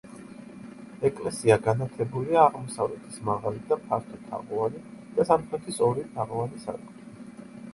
ეკლესია განათებულია აღმოსავლეთის მაღალი და ფართო თაღოვანი და სამხრეთის ორი თაღოვანი სარკმლით.